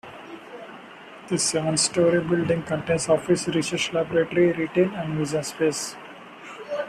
This seven-story building contains office, research laboratory, retail and museum space.